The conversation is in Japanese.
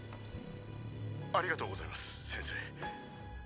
ありがとうございます先生。